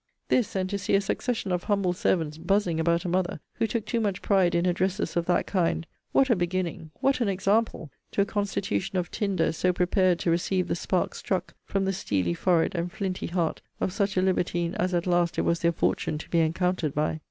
This, and to see a succession of humble servants buzzing about a mother, who took too much pride in addresses of that kind, what a beginning, what an example, to a constitution of tinder, so prepared to receive the spark struck, from the steely forehead and flinty heart of such a libertine as at last it was their fortune to be encountered by!